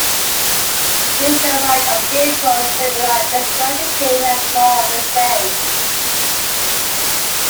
Major Mike of "GamePro" similarly described the game as "more of the same.